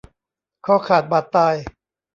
คอขาดบาดตาย